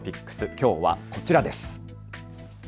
きょうはこちらです。